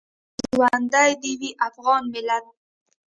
ژوندی دې وي افغان ملت